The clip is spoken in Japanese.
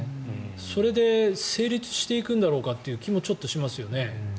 それで成立していくんだろうかという気もちょっとしますよね。